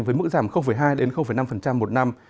với mức giảm hai đến năm một năm